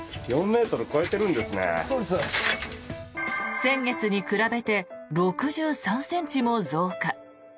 先月に比べて６３ｃｍも増加。